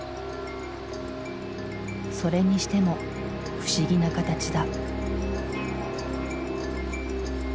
それにしても不思議な形だ。